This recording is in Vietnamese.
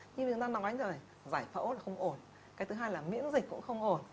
như người ta nói rồi giải phẫu là không ổn cái thứ hai là miễn dịch cũng không ổn